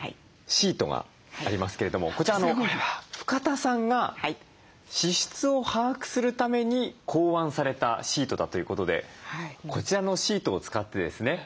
シートがありますけれどもこちら深田さんが支出を把握するために考案されたシートだということでこちらのシートを使ってですね